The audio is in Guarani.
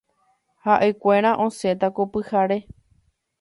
Ha’ekuéra osẽta ko pyhare.